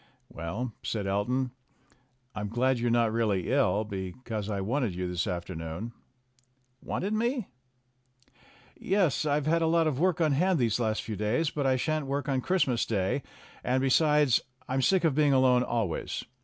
"Well," said Elton, "I'm glad you're not really ill, because I wanted you this afternoon." "Wanted me?" "Yes, I've had a lot of work on hand these last few days. But I shan't woik on Christmas Day, and, besides, I'm sick of being alone always.